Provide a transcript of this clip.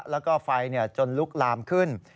แล้วก็ไฟจนลุกลามขึ้น